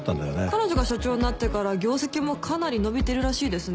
彼女が社長になってから業績もかなり伸びてるらしいですね。